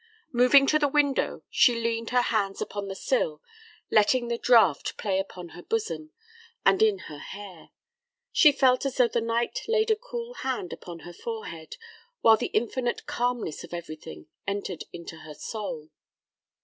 Moving to the window, she leaned her hands upon the sill, letting the draught play upon her bosom and in her hair. She felt as though the night laid a cool hand upon her forehead, while the infinite calmness of everything entered into her soul.